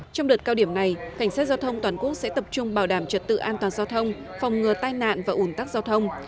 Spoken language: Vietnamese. trong đợt cao điểm này cảnh sát giao thông toàn quốc sẽ tập trung bảo đảm trật tự an toàn giao thông phòng ngừa tai nạn và ủn tắc giao thông